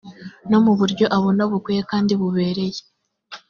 no muburyo abona bukwiye kandi bubereye